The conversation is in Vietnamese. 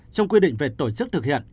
trong quy định về tổ chức thực hiện